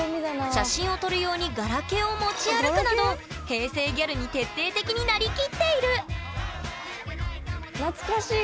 写真を撮る用にガラケーを持ち歩くなど平成ギャルに徹底的になりきっている懐かしい！